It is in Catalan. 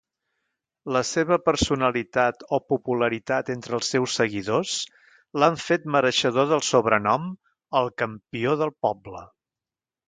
La seva personalitat o popularitat entre els seus seguidors l'han fet mereixedor del sobrenom El campió del poble.